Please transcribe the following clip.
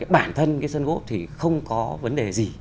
bản thân sân gốp thì không có vấn đề gì